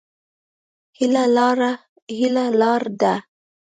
هيله لار ده.